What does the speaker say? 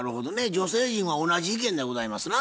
女性陣は同じ意見でございますな。